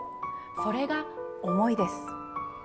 それが「思い」です。